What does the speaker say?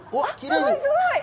すごい。